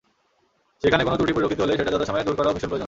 সেখানে কোনো ত্রুটি পরিলক্ষিত হলে সেটা যথাসময়ে দূর করাও ভীষণ প্রয়োজন।